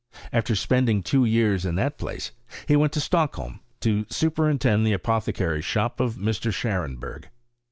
After spending two years in that place, he went to Stock holm, to superintend the apothecary's sbop of Mr. Scharenberg.